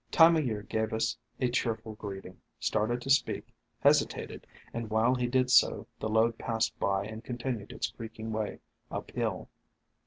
Time o' Year gave us a cheerful greeting, started to speak, hesitated, and while he did so the load passed by and continued its creaking way up hill.